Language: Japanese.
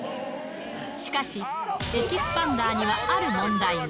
しかし、エキスパンダーにはある問題が。